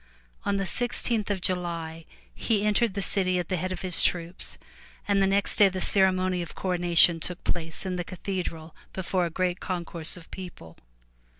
On the sixteenth of July, he entered the city at the head of his troops and the next day the ceremony of coronation took place in the cathedral before a great concourse of people.